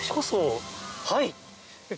はい！